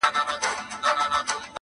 لکه قام وي د ټپوس او د بازانو!